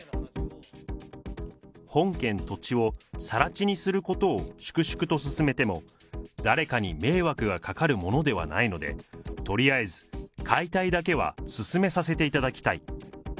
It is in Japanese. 本件土地をさら地にすることを粛々と進めても、誰かに迷惑がかかるものではないので、とりあえず解体だけは進めさせていただきたい。